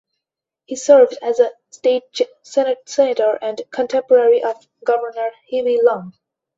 He served as a state Senator and contemporary of Governor Huey Long.